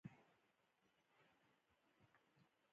• شتمني که له نېک عمل سره مل وي، ارزښت لري.